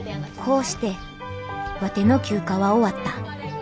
こうしてワテの休暇は終わった。